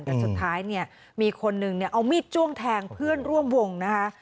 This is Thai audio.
แต่สุดท้ายเนี่ยมีคนนึงเนี่ยเอามีดจ้วงแทงเพื่อนร่วมวงนะคะ